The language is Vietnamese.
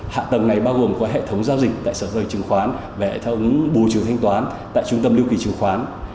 hạ tầng này bao gồm có hệ thống giao dịch tại sở dự trứng khoán và hệ thống bổ trường thanh toán tại trung tâm lưu kỳ chứng khoán